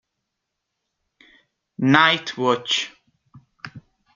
Night Watch